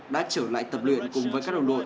đã trở lại tập luyện cùng với các đồng đội